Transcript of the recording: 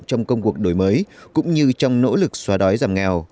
trong công cuộc đổi mới cũng như trong nỗ lực xóa đói giảm nghèo